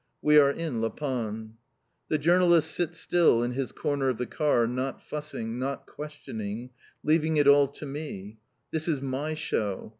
We are in La Panne. The journalist sits still in his corner of the car, not fussing, not questioning, leaving it all to me. This is my show.